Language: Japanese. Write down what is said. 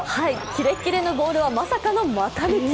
キレッキレのボールはまさかの股抜き。